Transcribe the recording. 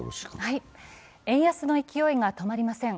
円安の勢いが止まりません。